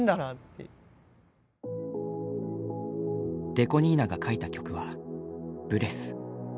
ＤＥＣＯ２７が書いた曲は「ブレス」。